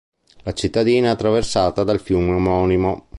La cittadina è attraversata dal fiume omonimo.